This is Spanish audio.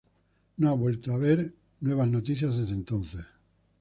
No ha vuelto a haber nuevas noticias desde entonces.